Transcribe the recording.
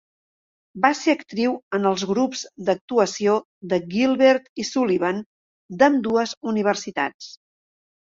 Va ser actiu en els grups d'actuació de Gilbert i Sullivan d'ambdues universitats.